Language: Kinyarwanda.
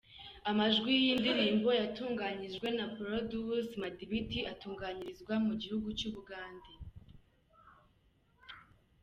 Amajwi y’iyi ndirimbo yatunganijwe na Porodusa Madibiti, atunganyirizwa mu gihugu cy’Ubugande.